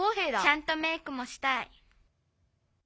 「ちゃんとメークもしたい」。